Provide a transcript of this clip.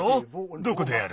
どこでやる？